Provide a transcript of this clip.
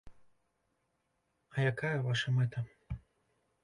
А якая ваша мэта?